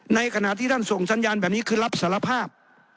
ในขณะที่ท่านส่งสัญญาณแบบนี้คือรับสารภาพ